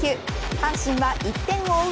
阪神は１点を追う